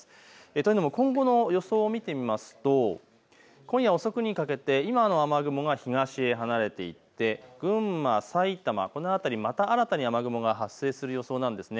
というのも今後の予想を見てみると今夜遅くにかけて今の雨雲が東へ離れていって群馬、埼玉、この辺り、また新たに雨雲が発生する予想なんです。